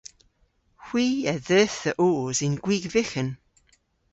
Hwi a dheuth dhe oos yn gwig vyghan.